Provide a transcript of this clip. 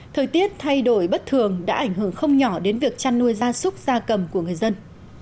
thời tiết thay đổi bất thường đã ảnh hưởng không nhỏ đến việc chăn nuôi gia súc gia cầm của người dân